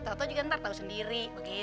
tau tau juga ntar tahu sendiri